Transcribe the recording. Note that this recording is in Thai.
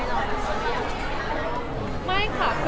ทำไมเราอยู่ตรงนี้